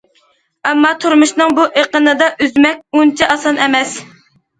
ئەمما، تۇرمۇشنىڭ بۇ ئېقىنىدا ئۈزمەك ئۇنچە ئاسان ئەمەس.